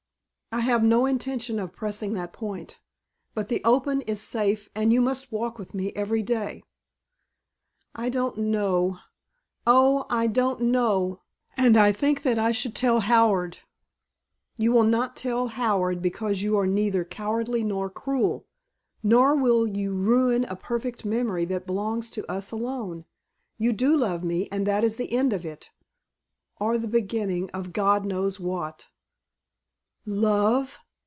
"I have no intention of pressing that point! But the open is safe and you must walk with me every day." "I don't know! Oh I don't know! And I think that I should tell Howard." "You will not tell Howard because you are neither cowardly nor cruel. Nor will you ruin a perfect memory that belongs to us alone. You do love me and that is the end of it or the beginning of God knows what!" "Love!"